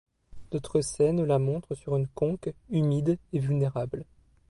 D'autres scènes la montrent sur une conque, humide et vulnérable.